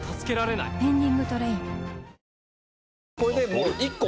もう１個